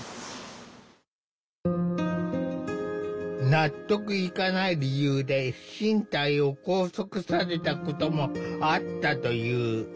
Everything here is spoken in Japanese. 納得いかない理由で身体を拘束されたこともあったという。